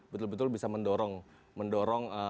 betul betul bisa mendorong